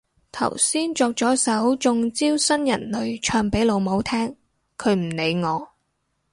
頭先作咗首中招新人類唱俾老母聽，佢唔理我